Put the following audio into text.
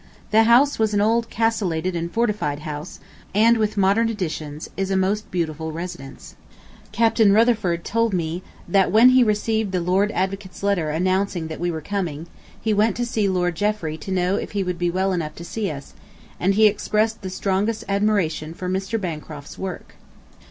The house was an old castellated and fortified house, and with modern additions is a most beautiful residence. Capt. Rutherford told me that when he received the Lord Advocate's letter announcing that we were coming, he went to see Lord Jeffrey to know if he would be well enough to see us, and he expressed the strongest admiration for Mr. Bancroft's work.